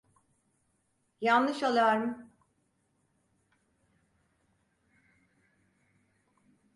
Yanlış alarm…